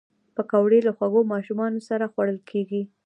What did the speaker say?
پکورې له خوږو ماشومانو سره خوړل کېږي